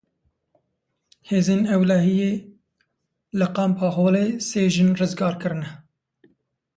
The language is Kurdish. Hêzên Ewlehiyê li Kampa Holê sê jin rizgar kirine.